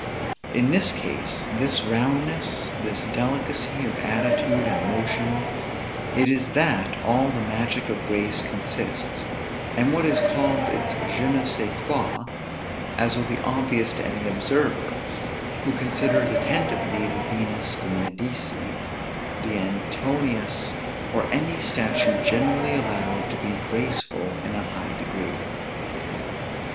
In this case, this roundness, this delicacy of attitude and motion, it is that all the magic of grace consists, and what is called its je ne sçai quoi; as will be obvious to any observer, who considers attentively the Venus de Medicis, the Antinous or any statue generally allowed to be graceful in a high degree.